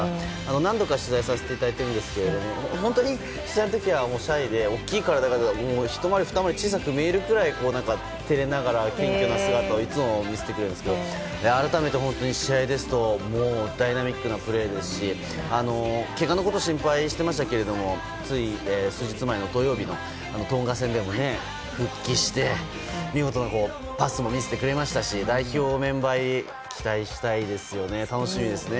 何度か取材させていただいたんですけど本当に取材の時はシャイで体はひと回り、ふた回り小さく見えるような謙虚な姿をいつも見せてくれるんですけど改めて試合ですとダイナミックなプレーですしけがを心配されていましたがつい数日前の土曜日のトンガ戦でも復帰して見事なパスも見せてくれましたし代表メンバー入りに期待したいですよね。